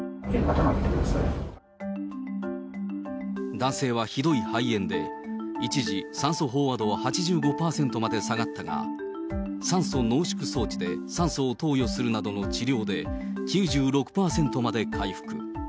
男性はひどい肺炎で、一時、酸素飽和度は８５％まで下がったが、酸素濃縮装置で酸素を投与するなどの治療で、９６％まで回復。